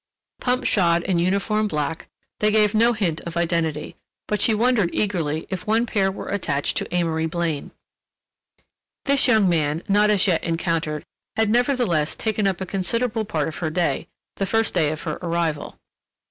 Pump shod in uniform black, they gave no hint of identity, but she wondered eagerly if one pair were attached to Amory Blaine. This young man, not as yet encountered, had nevertheless taken up a considerable part of her day—the first day of her arrival.